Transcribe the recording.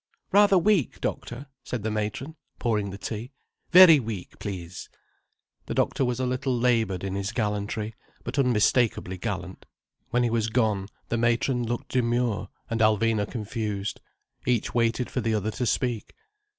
"Rather weak, doctor?" said the matron, pouring the tea. "Very weak, please." The doctor was a little laboured in his gallantry, but unmistakably gallant. When he was gone, the matron looked demure, and Alvina confused. Each waited for the other to speak.